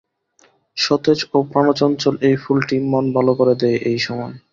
সতেজ ও প্রানোচ্ছল এই ফুলটি মন ভালো করে দেয় এই সময়।